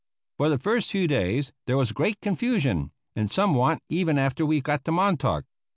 For the first few days there was great confusion and some want even after we got to Montauk.